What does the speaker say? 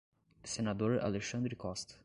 Senador Alexandre Costa